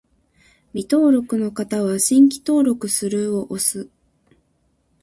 未登録の方は、「新規登録する」を押す